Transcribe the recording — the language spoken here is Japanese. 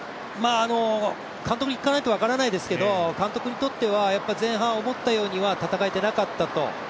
監督に聞かないと分からないですけど、監督にとってはやっぱり前半思ったようには戦えていなかったと。